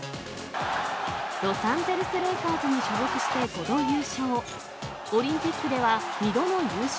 ロサンゼルスレイカーズに所属して５度優勝。